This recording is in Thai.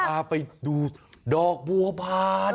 พาไปดูดอกบัวพาน